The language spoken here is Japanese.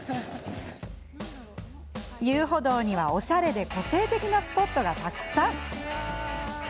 遊歩道には、おしゃれで個性的なスポットがたくさん。